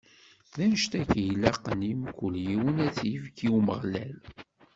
D annect-agi i ilaqen i mkul yiwen ad t-ifk i Umeɣlal.